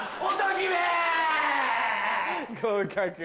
合格。